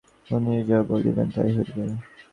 উনি যা বলিবেন তাই হইবে?